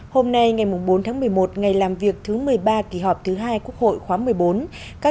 hôm nay ngày bốn tháng một mươi một ngày làm việc thứ một mươi ba kỳ họp thứ hai quốc hội khóa một mươi bốn